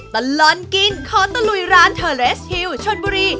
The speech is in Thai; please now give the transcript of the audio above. ตลอดกินขอตะลุยร้านเทอร์เรสฮิวชนบุรี